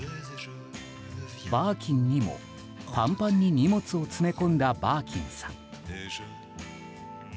バーキンにもパンパンに荷物を詰め込んだバーキンさん。